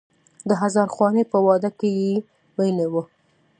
د هزار خوانې په واده کې یې ویلی و.